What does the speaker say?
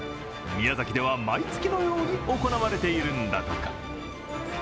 宮崎では毎月のように行われているんだとか。